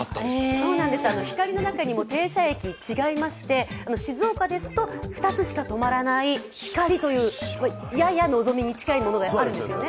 ひかりの中にも停車駅、違いまして静岡ですと２つしか止まらないひかりというやや、のぞみに近いものがあるんですよね。